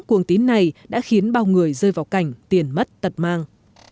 tuyến này đã khiến bao người rơi vào cảnh tiền mất tật mang